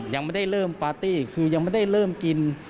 ยังไม่ได้เริ่มปาร์ตี้คือยังไม่ได้เริ่มกิน